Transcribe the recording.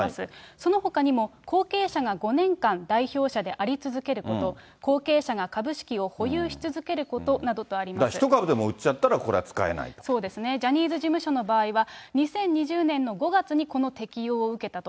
そのほかにも後継者が５年間代表者であり続けること、後継者が株式を保有し続けることなどとあり１株でも売っちゃったら、こそうですね、ジャニーズ事務所の場合は２０２０年の５月にこの適用を受けたと。